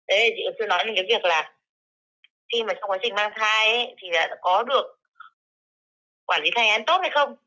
đấy thì chị cũng chưa nói đến cái việc là khi mà trong quá trình mang thai thì có được quản lý thay án tốt hay không